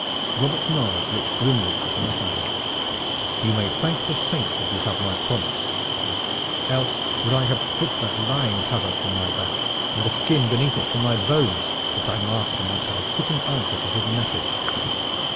Robert Knolles looked grimly at the messenger. "You may thank the saints that you have had my promise," said he, "else would I have stripped that lying tabard from thy back and the skin beneath it from thy bones, that thy master might have a fitting answer to his message.